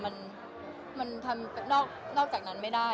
มันทำนอกจากนั้นไม่ได้